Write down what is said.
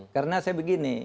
karena saya begini